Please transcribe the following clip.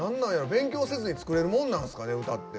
勉強せずに作れるもんなんすかね歌って。